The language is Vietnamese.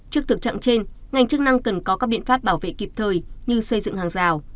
trước thực trạng trên ngành chức năng cần có các biện pháp bảo vệ kịp thời như xây dựng hàng rào